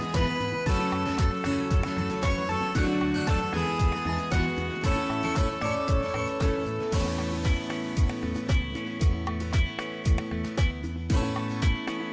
โปรดติดตามตอนต่อไป